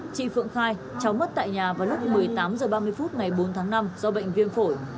chị phượng khai cháu mất tại nhà vào lúc một mươi tám h ba mươi phút ngày bốn tháng năm do bệnh viêm phổi